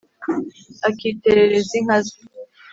akitererez inká zé